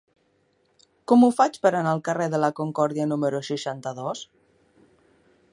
Com ho faig per anar al carrer de la Concòrdia número seixanta-dos?